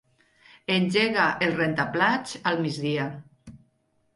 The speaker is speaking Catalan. Engega el rentaplats al migdia.